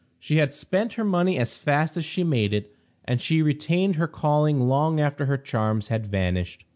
She had spent her money as fast as she made it, and she retained her calling long after her charms had vanished.